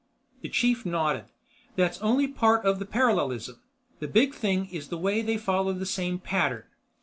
The chief nodded. "That's only part of the parallelism. The big thing is the way they follow the same pattern.